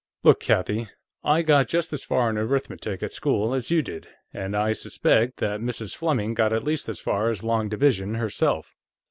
"Look, Kathie. I got just as far in Arithmetic, at school, as you did, and I suspect that Mrs. Fleming got at least as far as long division, herself.